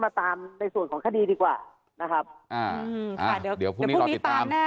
มาตามในส่วนของคดีดีกว่านะครับเดี๋ยวพรุ่งนี้ตามแน่